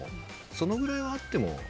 そのぐらいはあっても。